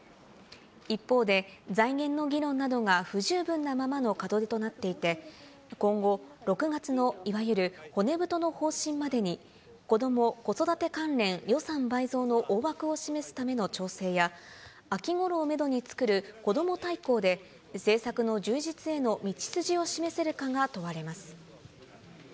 一方で、財源の議論などが不十分なままの門出となっていて、今後、６月のいわゆる骨太の方針までに、こども・子育て関連予算倍増の大枠を示すための調整や、秋ごろをメドに作るこども大綱で、政策の充実への道筋を示せるかが問われます。